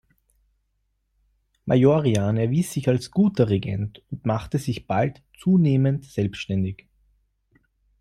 Majorian erwies sich als guter Regent und machte sich bald zunehmend selbstständig.